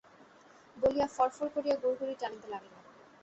বলিয়া ফড়ফড় করিয়া গুড়গুড়ি টানিতে লাগিল।